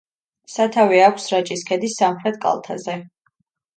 სათავე აქვს რაჭის ქედის სამხრეთ კალთაზე.